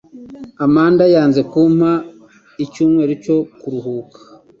Amanda yanze kumpa icyumweru cyo kuruhuka